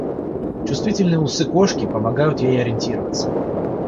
Чувствительные усы кошки помогают ей ориентироваться.